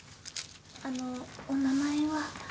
あのお名前は？